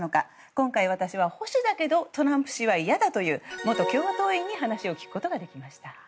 今回、私は保守だけどトランプ氏は嫌だという元共和党員に話を聞くことができました。